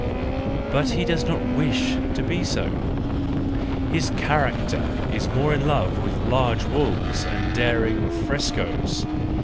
But he does not wish to be so ! His character is more in love with large walls and daring frescoes!